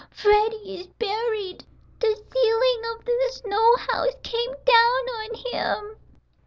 "Freddie is buried. The ceiling of the snow house came down on him!"